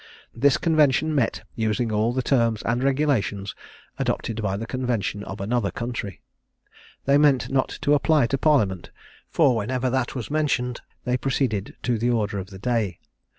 This convention met, using all the terms and regulations adopted by the convention of another country. They meant not to apply to Parliament; for whenever that was mentioned, they proceeded to the order of the day.